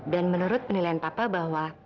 dan menurut penilaian papa bahwa